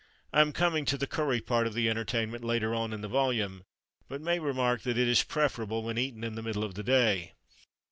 I am coming to the "curry" part of the entertainment later on in the volume, but may remark that it is preferable when eaten in the middle of the day.